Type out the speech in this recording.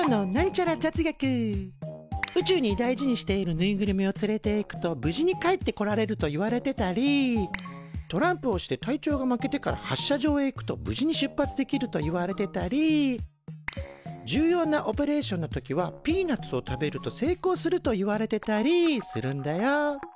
宇宙に大事にしているぬいぐるみを連れいくと無事に帰ってこられるといわれてたりトランプをして隊長が負けてから発射場へ行くと無事に出発できるといわれてたり重要なオペレーションの時はピーナツを食べると成功するといわれてたりするんだよ。